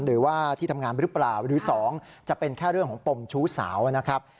หรือว่าที่ทำงานหรือเปล่าหรือ๒จะเป็นแค่เรื่องของปมชู้สาวนะครับ